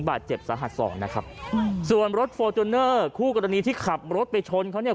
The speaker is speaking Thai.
บาดเจ็บสาหัสสองนะครับส่วนรถคู่กรณีที่ขับรถไปชนเขาเนี่ย